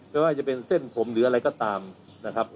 ไม่ว่าจะเป็นเส้นผมหรืออะไรก็ตามนะครับ